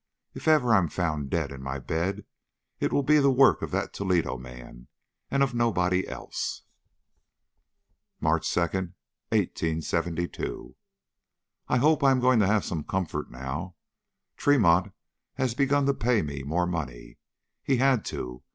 If ever I'm found dead in my bed, it will be the work of that Toledo man and of nobody else." "MARCH 2, 1872. I hope I am going to have some comfort now. Tremont has begun to pay me more money. He had to.